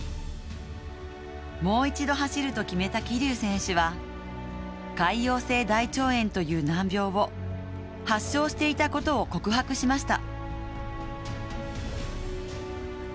もう一度走ると決めた桐生選手は潰瘍性大腸炎という難病を発症していたことを告白しました。